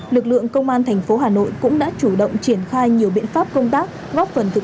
lực lượng công an thành phố hà nội cũng đã chủ động triển khai nhiều biện pháp công an